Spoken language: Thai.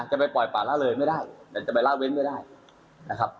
จะไปปล่อยป่าละเลยไม่ได้แต่จะไปละเว้นไม่ได้นะครับ